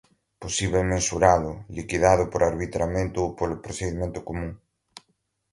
possível mensurá-lo, liquidado por arbitramento ou pelo procedimento comum